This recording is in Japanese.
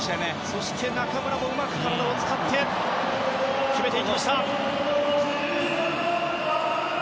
そして中村もうまく体を使って決めていきました。